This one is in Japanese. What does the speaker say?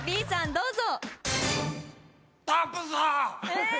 どうぞ！